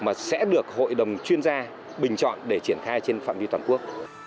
mà sẽ được hội đồng chuyên gia bình chọn để triển khai trên phạm vi toàn quốc